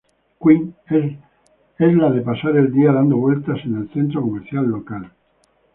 Quint, es la de pasar el día dando vueltas en el centro comercial local.